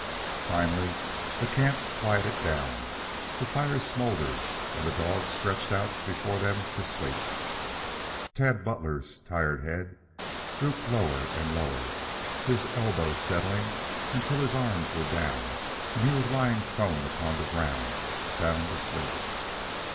Finally the camp quieted down, the fires smouldered and the dogs stretched out before them for sleep. Tad Butler's tired head drooped lower and lower, his elbows settling until his arms were down and he was lying prone upon the ground, sound asleep.